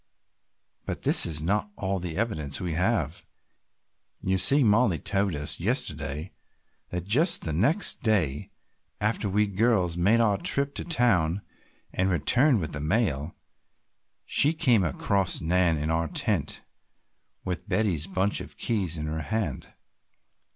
"But this is not all the evidence we have. You see Mollie told us yesterday that just the next day after we girls made our trip to town and returned with the mail, she came across Nan in our tent with Betty's bunch of keys in her hand.